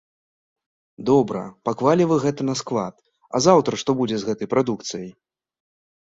Добра, паклалі вы гэта на склад, а заўтра што будзе з гэтай прадукцыяй?